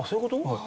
はい。